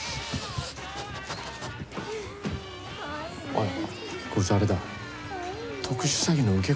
おい。